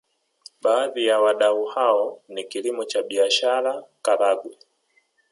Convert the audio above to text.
Baadhi ya wadau hao ni kilimo cha biashara Karagwe